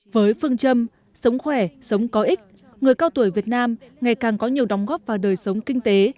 với phương châm sống khỏe sống có ích người cao tuổi việt nam ngày càng có nhiều đóng góp vào đời sống kinh tế